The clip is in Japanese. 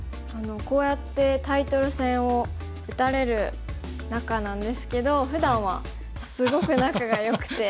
こうやってタイトル戦を打たれる仲なんですけどふだんはすごく仲がよくて。